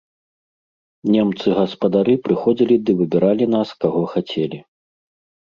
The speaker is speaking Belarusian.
Немцы-гаспадары прыходзілі ды выбіралі нас, каго хацелі.